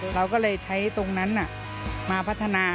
เราก็เลยใช้ตรงนั้นมาพัฒนา